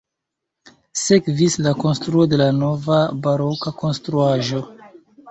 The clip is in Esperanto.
Sekvis la konstruo de la nova baroka konstruaĵo.